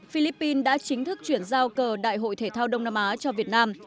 philippines đã chính thức chuyển giao cờ đại hội thể thao đông nam á cho việt nam